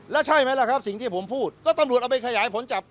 แล้วใช่ไหมล่ะครับสิ่งที่ผมพูดก็ตำรวจเอาไปขยายผลจับ